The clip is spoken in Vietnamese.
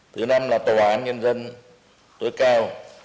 thứ năm là tòa án nhân dân tối cao